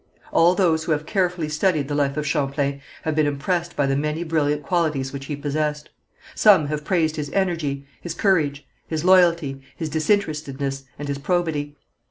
All those who have carefully studied the life of Champlain, have been impressed by the many brilliant qualities which he possessed. Some have praised his energy, his courage, his loyalty, his disinterestedness, and his probity.